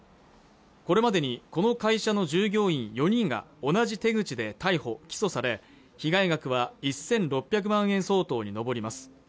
これまでにこの会社の従業員４人が同じ手口で逮捕・起訴され被害額は１６００万円相当に上ります